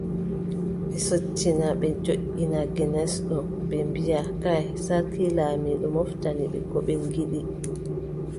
Ɓe sottina, ɓe joɗɗina genes ɗo ɓe mbiaʼa : kay saaki laamiiɗo moftani ɓe ko ɓe ngiɗi.